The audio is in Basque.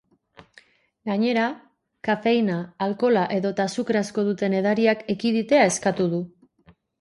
Gainera, kafeina, alkohola edota azukre asko duten edariak ekiditea eskatu du.